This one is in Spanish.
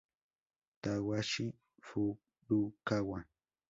Takashi Furukawa